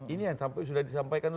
ini yang sudah disampaikan